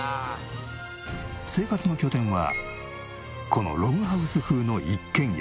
生活の拠点はこのログハウス風の一軒家。